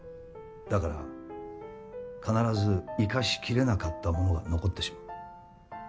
だから必ず生かしきれなかったものが残ってしまう。